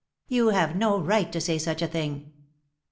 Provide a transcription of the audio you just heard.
"You have no right to say such a thing."